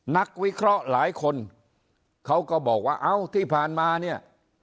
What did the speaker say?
นักวิเคราะห์หลายคนเขาก็บอกว่าเอ้าที่ผ่านมาเนี่ย